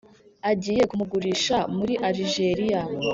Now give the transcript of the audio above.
agiye kumugurisha muri alijeriya.